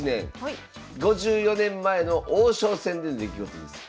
５４年前の王将戦での出来事です。